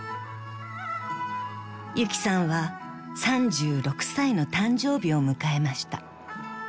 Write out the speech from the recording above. ［ゆきさんは３６歳の誕生日を迎えました］